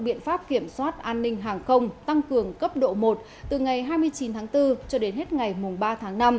biện pháp kiểm soát an ninh hàng không tăng cường cấp độ một từ ngày hai mươi chín tháng bốn cho đến hết ngày ba tháng năm